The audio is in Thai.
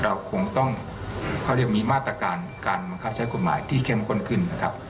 เราคงต้องเขาเรียกมีมาตรการการบังคับใช้กฎหมายที่เข้มข้นขึ้นนะครับ